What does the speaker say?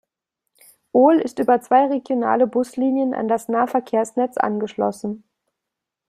Ohl ist über zwei regionale Buslinien an das Nahverkehrsnetz angeschlossen.